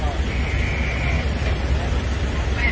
อ๋อต้องกลับมาก่อน